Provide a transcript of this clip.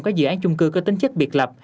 các dự án chung cư có tính chất biệt lập